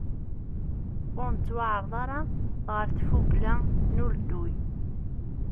Ur nettwaεreḍ ara ɣer tfugla n uledduy.